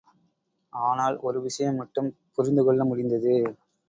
ஆனால், ஒரு விஷயம் மட்டும் புரிந்து கொள்ள முடிந்தது.